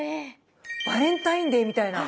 バレンタインデーみたいな。